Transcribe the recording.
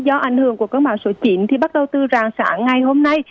do ảnh hưởng của cơn bão số chín thì bắt đầu tư ràng sản ngày hôm nay